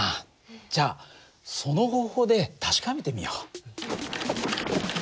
じゃあその方法で確かめてみよう。